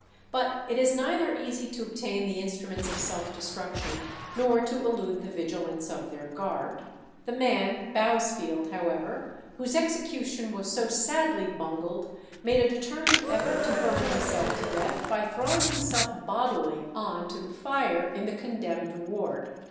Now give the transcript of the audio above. But it is neither easy to obtain the instruments of self destruction nor to elude the vigilance of their guard. The man, Bousfield, however, whose execution was so sadly bungled, made a determined effort to burn himself to death by throwing himself bodily on to the fire in the condemned ward.